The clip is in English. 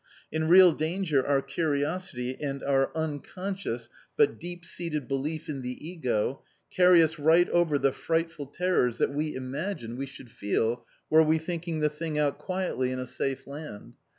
In real danger our curiosity, and our unconscious but deep seated belief in the ego, carry us right over the frightful terrors that we imagine we should feel were we thinking the thing out quietly in a safe land.